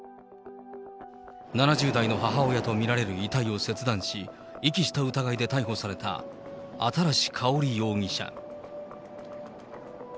７０代の母親と見られる遺体を切断し、遺棄した疑いで逮捕された新かおり容疑者。